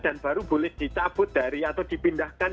dan baru boleh dicabut dari atau dipindahkan